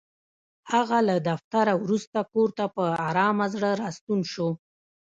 هغه له دفتره وروسته کور ته په ارامه زړه راستون شو.